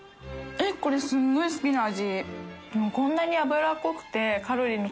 ┐これすごい好きな味。